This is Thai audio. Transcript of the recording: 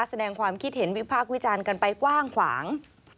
แสดงความคิดเห็นวิพากษ์วิจารณ์กันไปกว้างขวาง